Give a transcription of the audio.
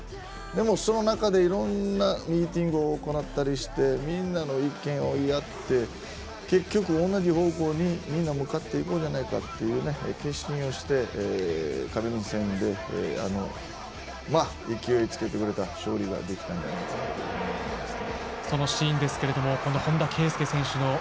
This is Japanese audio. でも、その中でいろんなミーティングを行ったりしてみんなの意見を言い合って結局、同じ方向にみんな向かっていこうじゃないかというね決心をして、カメルーン戦でまあ勢いをつけてくれて勝利ができたんじゃないかなと思います。